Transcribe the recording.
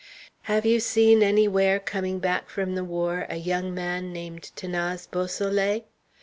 "Have you seen anywhere, coming back from the war, a young man named 'Thanase Beausoleil?"